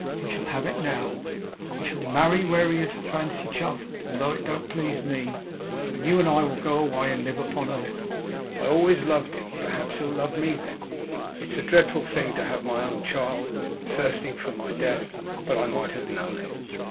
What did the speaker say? He shall have it now; he shall marry where he has a fancy, Chuff, although it don't please me; and you and I will go away and live upon a little. I always loved him; perhaps he'll love me then. It's a dreadful thing to have my own child thirsting for my death. But I might have known it.